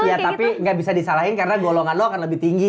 iya tapi nggak bisa disalahin karena golongan lo akan lebih tinggi